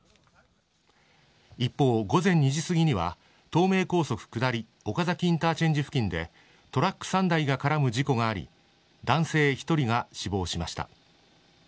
一方、午前２時すぎには東名高速下り岡崎インターチェンジ付近でトラック３台が絡む事故があり男性１人が死亡しました。